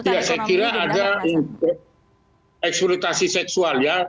ya saya kira ada untuk eksploitasi seksual ya